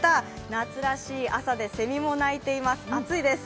夏らしい朝で、せみも鳴いています暑いです。